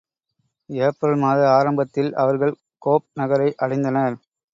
April மாத ஆரம்பத்தில் அவர்கள் கோப் நகரை அடைந்தனர்.